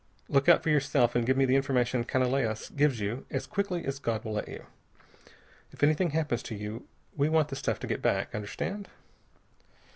Look out for yourself, and give me the information Canalejas gives you as quickly as God will let you. If anything happens to you, we want the stuff to get back. Understand?"